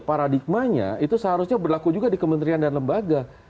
paradigmanya itu seharusnya berlaku juga di kementerian dan lembaga